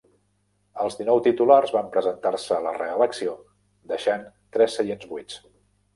Els dinou titulars van presentar-se a la reelecció deixant tres seients buits.